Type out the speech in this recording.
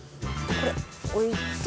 これ置いて。